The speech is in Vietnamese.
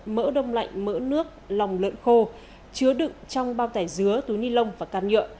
mỡ đông lạnh mỡ nước lòng lợn khô chứa đựng trong bao tải dứa túi ni lông và can nhựa